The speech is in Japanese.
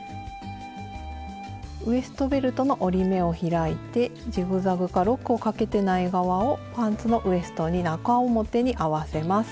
ウエストベルトの折り目を開いてジグザグかロックをかけてない側をパンツのウエストに中表に合わせます。